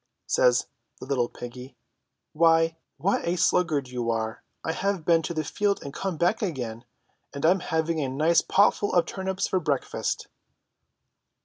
says the little piggy. "Why! what a slug gard you are ! I've been to the field and come back again, and I'm having a nice potful of turnips for breakfast."